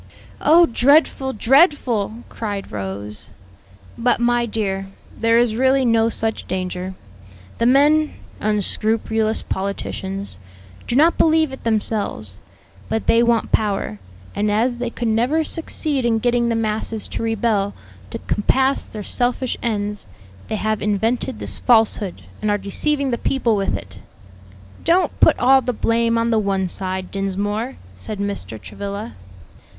"Oh, dreadful, dreadful!" cried Rose. "But, my dear, there is really no such danger: the men (unscrupulous politicians) do not believe it themselves; but they want power, and as they could never succeed in getting the masses to rebel to compass their selfish ends, they have invented this falsehood and are deceiving the people with it." "Don't put all the blame on the one side, Dinsmore," said Mr. Travilla.